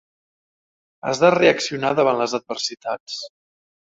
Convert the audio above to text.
Has de reaccionar davant les adversitats.